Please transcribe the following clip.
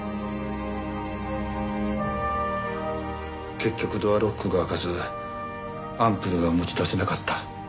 結局ドアロックが開かずアンプルが持ち出せなかった。